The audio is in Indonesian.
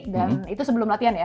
dan itu sebelum latihan ya